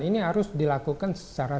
ini harus dilakukan secara